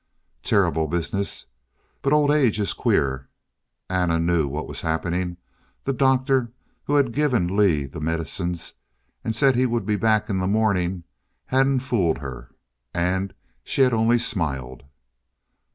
Terrible business. But old age is queer. Anna knew what was happening. The doctor, who had given Lee the medicines and said he would be back in the morning, hadn't fooled her. And she had only smiled.